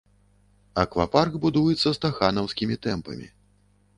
Аквапарк будуецца стаханаўскімі тэмпамі.